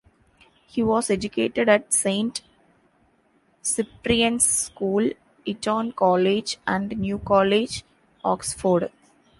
He was educated at Saint Cyprian's School, Eton College and New College, Oxford.